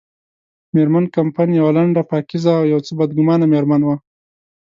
مېرمن کمپن یوه لنډه، پاکیزه او یو څه بدګمانه مېرمن وه.